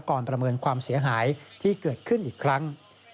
ประเมินความเสียหายที่เกิดขึ้นอีกครั้ง